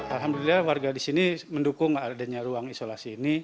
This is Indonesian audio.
alhamdulillah warga di sini mendukung adanya ruang isolasi ini